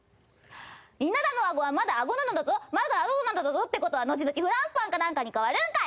稲田のあごはまだあごなのだぞまだあごなのだぞってことは後々フランスパンか何かに変わるんかい！